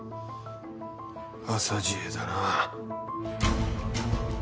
浅知恵だな。